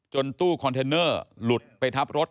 ตู้คอนเทนเนอร์หลุดไปทับรถ